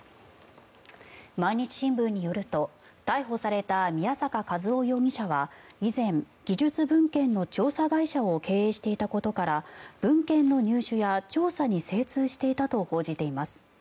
毎日新聞によると逮捕された宮坂和雄容疑者は以前、技術文献の調査会社を経営していたことから文献の入手や調査に精通していたと報じています。